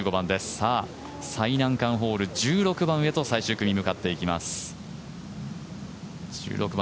さあ、最難関ホール１６番へと最終組、向かっていきます。